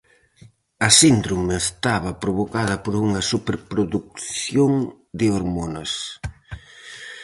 A síndrome estaba provocada por unha superprodución de hormonas.